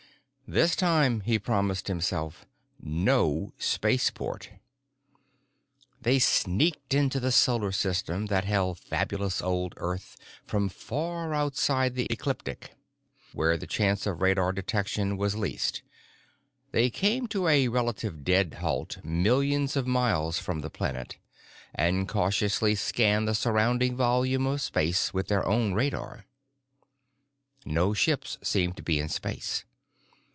This time, he promised himself, no spaceport. They sneaked into the solar system that held fabulous old Earth from far outside the ecliptic, where the chance of radar detection was least; they came to a relative dead halt millions of miles from the planet and cautiously scanned the surrounding volume of space with their own radar. No ships seemed to be in space.